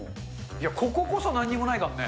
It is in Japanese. こここそなんにもないからね。